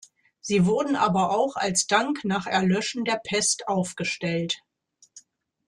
Sie wurden aber auch als Dank nach Erlöschen der Pest aufgestellt.